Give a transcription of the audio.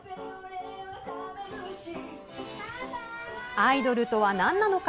アイドルとは、なんなのか。